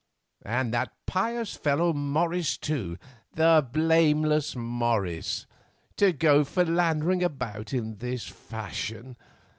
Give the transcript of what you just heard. And that pious fellow Morris, too—the blameless Morris—to go philandering about in this fashion.